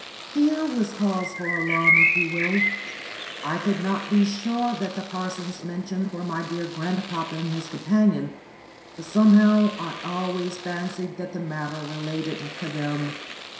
Here was cause for alarm if you will. I could not be sure that the persons mentioned were my dear grandfather and his companion, but somehow I always fancied that the matter related to them.